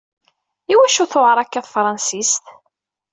Iwacu tewɛer akka tefransist?